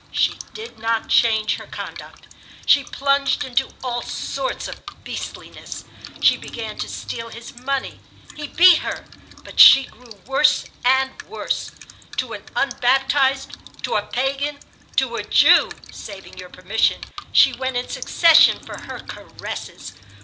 She did not change her conduct. She plunged into all sorts of beastliness. She began to steal his money. He beat her, but she grew worse and worse. To an unbaptized, to a pagan, to a Jew (saving your permission), she went in succession for her caresses.